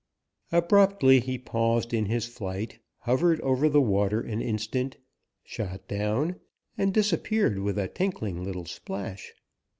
Abruptly he paused in his flight, hovered over the water an instant, shot down, and disappeared with a tinkling little splash.